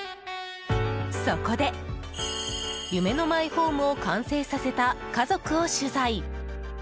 そこで、夢のマイホームを完成させた家族を取材！